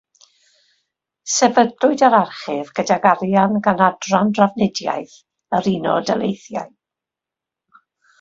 Sefydlwyd yr archif gydag arian gan Adran Drafnidiaeth yr Unol Daleithiau.